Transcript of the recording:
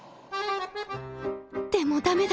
でもダメだ！